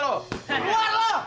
lalu lalu ah